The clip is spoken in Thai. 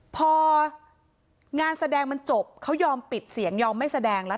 พองานแสดงมันจบเขายอมปิดเสียงยอมไม่แสดงแล้ว